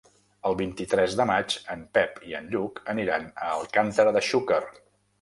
El vint-i-tres de maig en Pep i en Lluc aniran a Alcàntera de Xúquer.